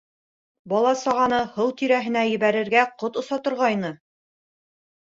Бала-сағаны һыу тирәһенә ебәрергә ҡот оса торғайны.